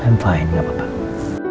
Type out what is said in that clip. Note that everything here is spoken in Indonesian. saya baik baik saja